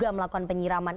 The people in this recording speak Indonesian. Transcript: juga melakukan penyiraman